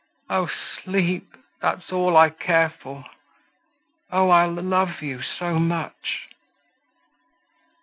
Oh! sleep, that's all I care for. Oh! I'll love you so much!"